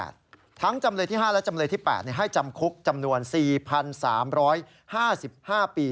ทั้งจำเลยที่๕และจำเลยที่๘ให้จำคุกจำนวน๔๓๕๕ปี